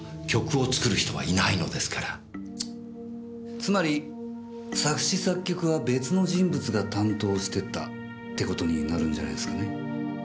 つまり作詞作曲は別の人物が担当してたって事になるんじゃないすかね？